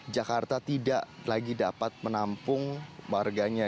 jakarta tidak lagi dapat menampung warganya